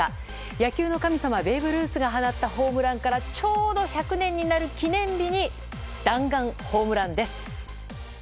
野球の神様ベーブ・ルースが放ったホームランからちょうど１００年になる記念日に弾丸ホームランです。